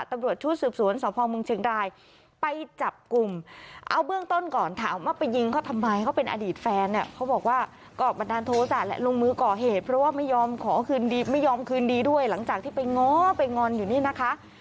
ตำรวจชุดสืบสวนสพเมืองเชียงรายไปจับกลุ่มเอาเบื้องต้นก่อนถามว่าไปยิงเขาทำไมเขาเป็นอดีตแฟนเนี่ยเขาบอกว่าก็บันดาลโทษะแหละลงมือก่อเหตุเพราะว่าไม่ยอมขอคืนดีไม่ยอมคืนดีด้วยหลังจากที่ไปง้อไปงอนอยู่นี่นะคะ